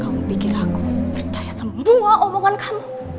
kamu pikir aku percaya semua omongan kamu